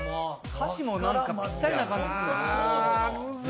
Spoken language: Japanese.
歌詞もぴったりな感じで。